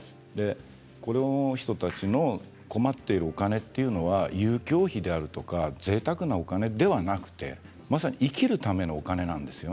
この人たちの困っているお金というのは、遊興費であるとかぜいたくなお金ではなくて生きるためのお金なんです。